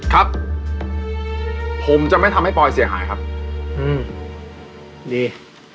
ครับผมจะไม่ทำให้ปอยเสียหายครับอืมดี